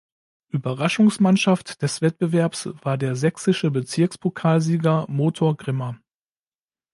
Überraschungsmannschaft des Wettbewerbs war der sächsische Bezirkspokalsieger Motor Grimma.